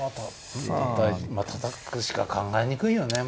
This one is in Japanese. たたくしか考えにくいよね。